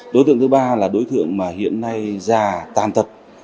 đối tượng thứ ba là đối tượng mà hiện nay già tàn tật